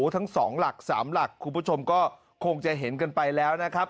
ทั้ง๒หลัก๓หลักคุณผู้ชมก็คงจะเห็นกันไปแล้วนะครับ